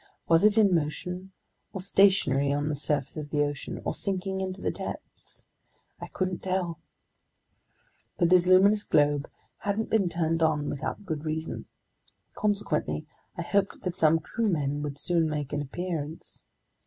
Was it in motion, or stationary on the surface of the ocean, or sinking into the depths? I couldn't tell. But this luminous globe hadn't been turned on without good reason. Consequently, I hoped that some crewmen would soon make an appearance.